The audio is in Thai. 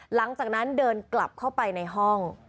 หลังจากนั้นเดินกลับเข้าไปในห้อง